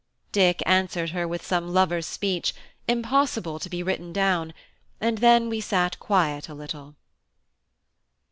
Dick answered her with some lover's speech, impossible to be written down, and then we sat quiet a little.